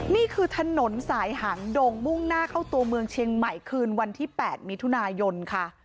นี่คือถนนสายหางดงมุ่งหน้าเข้าตัวเมืองเชียงใหม่คืนวันที่๘มิถุนายนค่ะ